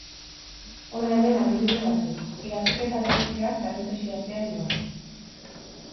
Hona hemen adibide batzuk: irakurketa bereziak parentesi artean doaz.